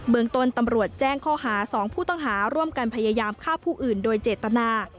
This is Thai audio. เมืองต้นตำรวจแจ้งข้อหา๒ผู้ต้องหาร่วมกันพยายามฆ่าผู้อื่นโดยเจตนา